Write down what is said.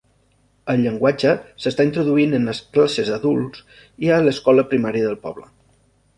El llenguatge s'està introduint en les classes d'adults i a l'escola primària del poble.